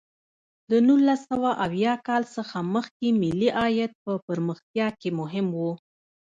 د نولس سوه اویا کال څخه مخکې ملي عاید په پرمختیا کې مهم و.